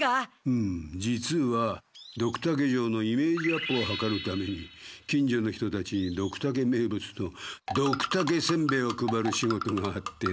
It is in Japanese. ふむ実はドクタケ城のイメージアップをはかるために近所の人たちにドクタケ名物のドクタケせんべえを配る仕事があってな。